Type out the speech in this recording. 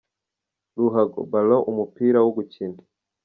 Ruhago : “Ballon” : Umupira wo gukina.